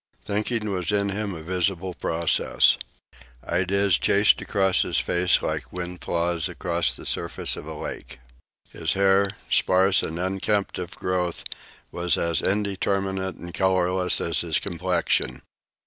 Thinking was in him a visible process. Ideas chased across his face like wind flaws across the surface of a lake. His hair, sparse and unkempt of growth, was as indeterminate and colorless as his complexion.